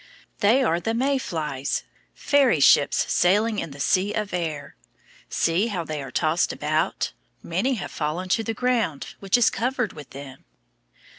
They are the May flies, fairy ships sailing in the sea of air. See how they are tossed about. Many have fallen to the ground, which is covered with them.